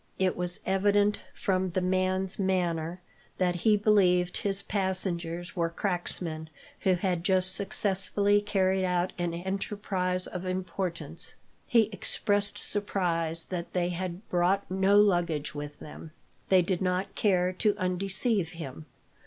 It was evident, from the man's manner, that he believed his passengers were cracksmen who had just successfully carried out an enterprise of importance. He expressed surprise that they had brought no luggage with them. They did not care to undeceive him.